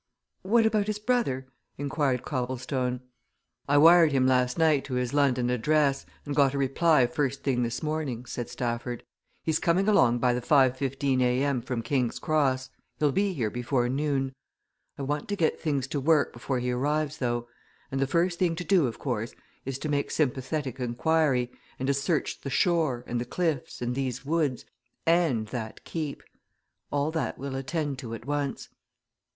"What about his brother?" inquired Copplestone. "I wired him last night to his London address, and got a reply first thing this morning," said Stafford. "He's coming along by the 5:15 A.M. from King's Cross he'll be here before noon. I want to get things to work before he arrives, though. And the first thing to do, of course, is to make sympathetic inquiry, and to search the shore, and the cliffs, and these woods and that Keep. All that we'll attend to at once."